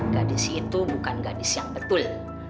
gadis itu bukan gadis yang betul